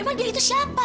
emang dia itu siapa